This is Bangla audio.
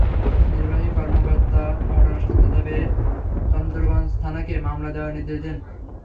নির্বাহী কর্মকর্তা ঘটনার সত্যতা পেয়ে চন্দ্রগঞ্জ থানাকে মামলা নেওয়ার নির্দেশ দেন।